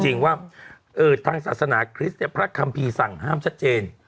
จริงว่าทางศาสนาคริสต์พระคัมภีร์สั่งห้ามชัดเจน